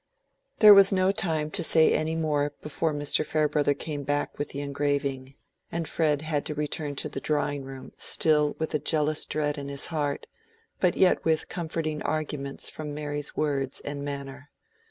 There was no time to say any more before Mr. Farebrother came back with the engraving; and Fred had to return to the drawing room still with a jealous dread in his heart, but yet with comforting arguments from Mary's words and manner.